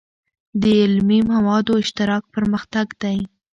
د علمي موادو اشتراک پرمختګ دی.